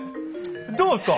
どうっすか？